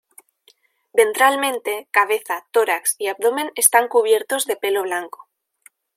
Ventralmente cabeza, tórax y abdomen están cubiertos de pelo blanco.